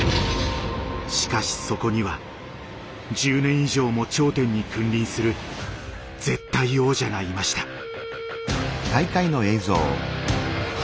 しかしそこには１０年以上も頂点に君臨する絶対王者がいました。